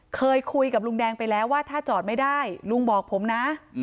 เคยคุยกับลุงแดงไปแล้วว่าถ้าจอดไม่ได้ลุงบอกผมนะ